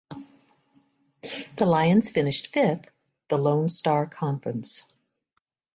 The Lions finished fifth the Lone Star Conference.